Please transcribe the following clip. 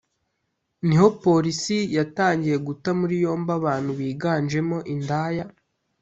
niho Polisi yatangiye guta muri yombi abantu biganjemo indaya